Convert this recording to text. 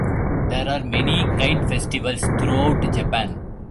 There are many kite festivals throughout Japan.